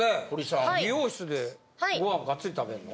美容室でご飯ガッツリ食べんの？